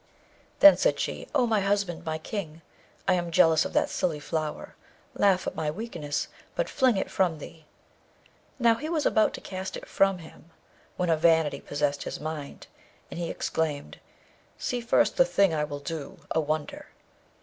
Then said she, 'O my husband, my King, I am jealous of that silly flower: laugh at my weakness, but fling it from thee.' Now, he was about to cast it from him, when a vanity possessed his mind, and he exclaimed, 'See first the thing I will do, a wonder.'